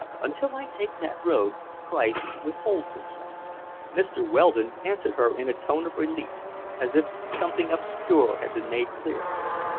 Until I take that road, Christ withholds himself." Mr. Weldon answered her in a tone of relief, as if something obscure had been made clear.